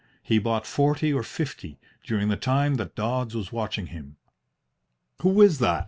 He bought forty or fifty during the time that Dodds was watching him. "Who is that?"